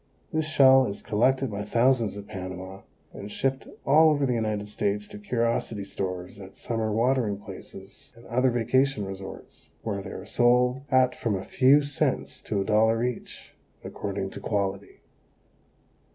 This shell is collected by thousands at Panama and shipped all over the United States to curiosity stores at summer watering places and other vacation resorts, where they are sold at from a few cents to a dollar each, according to quality.